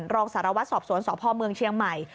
รองสารวัตรสอบสวนสพเมืองเชียงใหม่